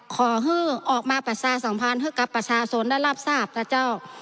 ขอฮึออกมาปราศาสมภารฮึกับปราศาสนได้รับทราบนะเจ้า